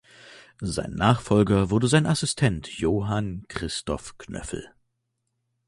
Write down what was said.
Sein Nachfolger wurde sein Assistent Johann Christoph Knöffel.